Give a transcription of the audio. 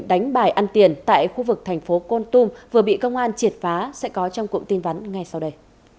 đánh bài ăn tiền tại khu vực thành phố con tum vừa bị công an triệt phá sẽ có trong cụm tin vắn ngay sau đây